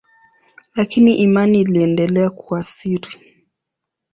Lakini imani iliendelea kwa siri.